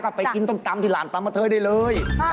ก็ไปกินต้มกำที่ร่านตำกับเธอได้เลย